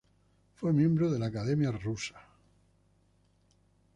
Fue miembro de la Academia Rusa.